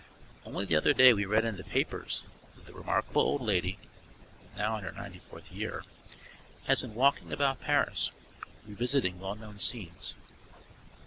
Only the other day we read in the papers that the remarkable old lady (now in her ninety fourth year) has been walking about Paris, revisiting well known scenes.